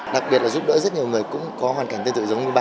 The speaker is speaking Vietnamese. đặc biệt là giúp đỡ rất nhiều người cũng có hoàn cảnh tên tuổi giống như bạn